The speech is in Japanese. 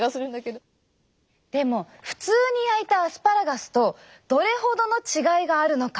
でも普通に焼いたアスパラガスとどれほどの違いがあるのか。